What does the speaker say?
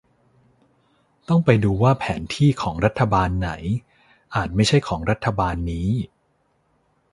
ต้องไปดูว่าแผนที่ของรัฐบาลไหน อาจไม่ใช่ของรัฐบาลนี้